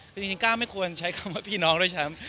จริงก้าวไม่ควรใช้คำว่าพี่น้องด้วยฉะนั้น